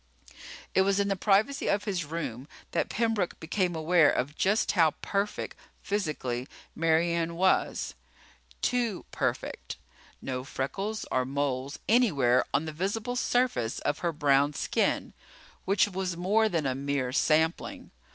It was in the privacy of his room that Pembroke became aware of just how perfect, physically, Mary Ann was. Too perfect. No freckles or moles anywhere on the visible surface of her brown skin, which was more than a mere sampling.